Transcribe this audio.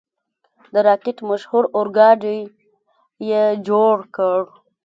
د راکټ مشهور اورګاډی یې جوړ کړ.